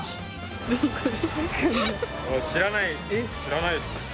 知らない知らないです。